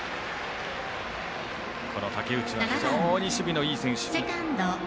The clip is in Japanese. この竹内、非常に守備のいい選手。